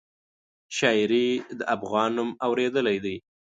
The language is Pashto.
شاعري د افغان نوم اورېدلی دی.